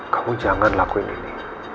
kamu jangan lakuin ini